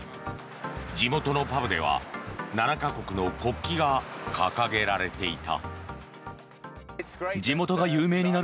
地元のパブでは７か国の国旗が掲げられていた。